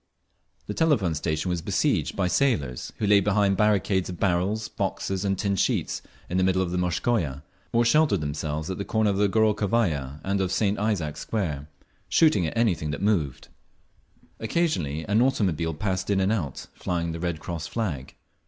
The Telephone Station was besieged by sailors, who lay behind barricades of barrels, boxes and tin sheets in the middle of the Morskaya, or sheltered themselves at the corner of the Gorokhovaya and of St. Isaac's Square, shooting at anything that moved. Occasionally an automobile passed in and out, flying the Red Cross flag.